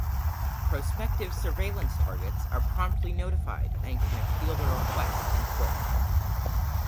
Prospective surveillance targets are promptly notified and can appeal the request in court.